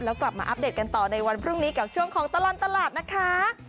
แล้วกลับมาอัปเดตกันต่อในวันพรุ่งนี้กับช่วงของตลอดตลาดนะคะ